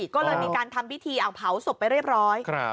ก็เลยมีการทำพิธีเอาเผาศพไปเรียบร้อย